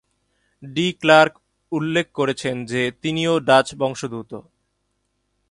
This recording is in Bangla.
ডি ক্লার্ক উল্লেখ করেছেন যে তিনিও ডাচ বংশোদ্ভূত।